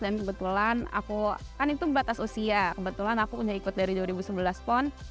dan kebetulan aku kan itu batas usia kebetulan aku udah ikut dari dua ribu sebelas pon